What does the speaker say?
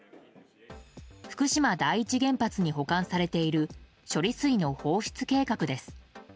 福島第一原発に保管されている処理水の放出計画です。